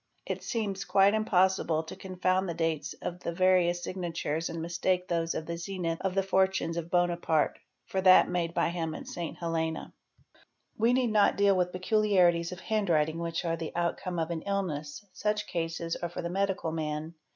It seems quite impossible to confound the dates of the various signatur and mistake those of the zenith of the fortunes of Bonaparte for th made by him at St. Helena. 'id We need not deal with peculiarities of handwriting which are #l outcome of an illness; such cases are for the medical man.